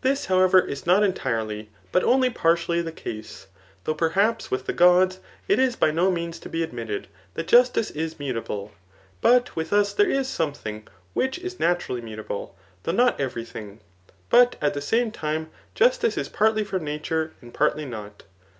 This, however, is not entirely^ but only partially the case ; though perhaps with the gods,' it is by no means to be admitted [that justice is mutable ;] but with us there is something which is naturally muta ble^ though not every thing. But at the same time jus* tice 18 partly from nature and partly not.